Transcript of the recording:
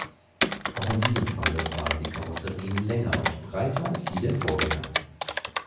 Auch in diesem Falle waren die Karosserien länger und breiter als die der Vorgänger.